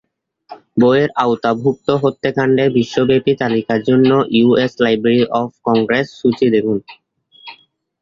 বইয়ের আওতাভুক্ত হত্যাকাণ্ডের বিশ্বব্যাপী তালিকার জন্য ইউএস লাইব্রেরি অফ কংগ্রেস সূচী দেখুন।